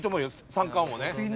三冠王ね。